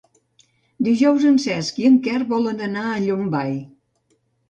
Dijous en Cesc i en Quer volen anar a Llombai.